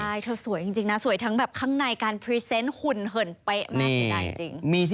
ใช่เธอสวยจริงสวยทั้งแบบข้างในการพรีเซนต์หุ่นเหินไปมากสินะจริง